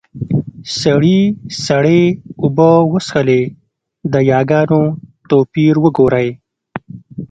سړي سړې اوبۀ وڅښلې . د ياګانو توپير وګورئ!